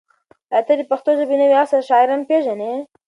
ایا ته د پښتو ژبې د نوي عصر شاعران پېژنې؟